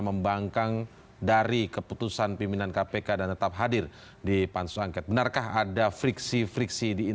membangkang dari keputusan pimpinan kpk dan tetap hadir di pansus angket benarkah ada friksi friksi di